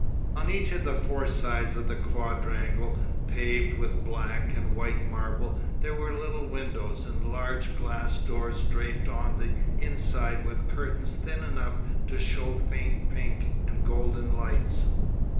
On each of the four sides of the quadrangle, paved with black and white marble, there were little windows, and large glass doors draped on the inside with curtains thin enough to show faint pink and golden lights.